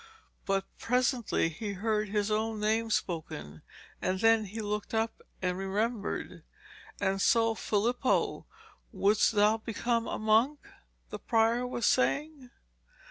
But presently he heard his own name spoken and then he looked up and remembered. 'And so, Filippo, thou wouldst become a monk?' the prior was saying.